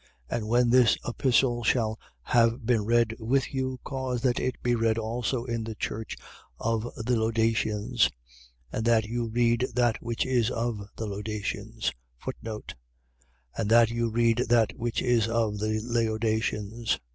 4:16. And when this epistle shall have been read with you, cause that it be read also in the church of the Laodiceans: and that you read that which is of the Laodiceans. And that you read that which is of the Laodiceans.